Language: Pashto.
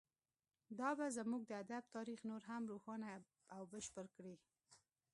دا به زموږ د ادب تاریخ نور هم روښانه او بشپړ کړي